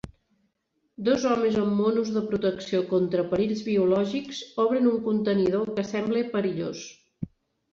Dos homes amb monos de protecció contra perills biològics obren un contenidor que sembla perillós.